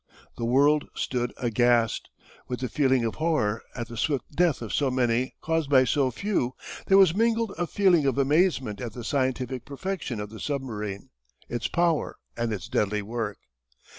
The world stood aghast. With the feeling of horror at the swift death of so many caused by so few, there was mingled a feeling of amazement at the scientific perfection of the submarine, its power, and its deadly work.